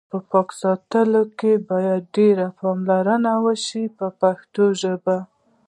په پاک ساتلو کې باید ډېره پاملرنه وشي په پښتو ژبه.